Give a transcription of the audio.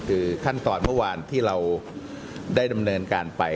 คือขั้นตอนเมื่อวานที่เราได้ดำเนินการไป